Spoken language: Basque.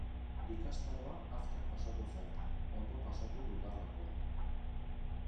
Ikastaroa azkar pasatu zait, ondo pasatu dudalako.